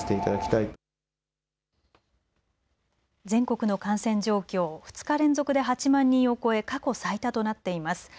全国の感染状況、２日連続で８万人を超え過去最多となっています。